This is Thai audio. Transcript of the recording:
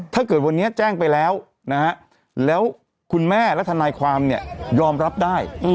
ถ้าเกิดวันนี้แจ้งไปแล้วนะฮะแล้วคุณแม่และทนายความเนี่ยยอมรับได้